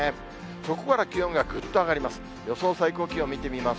そこから気温がぐっと上がります。